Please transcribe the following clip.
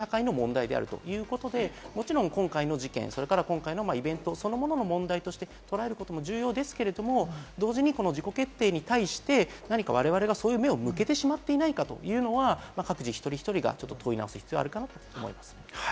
こういうものは自己決定に対して男性中心社会の問題であるということで、もちろん今回の事件、今回のイベントそのものの問題として、捉えることも重要ですけど、同時に自己決定に対して何か我々がそういう目を向けてしまっていないかというのは各自、一人一人が問い直す必要があると思います。